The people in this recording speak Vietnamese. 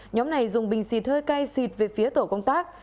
nhóm này dùng bình xịt hơi cay xịt về phía tổ công tác